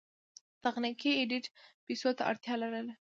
تخنیکي ایډېټ پیسو ته اړتیا لرله.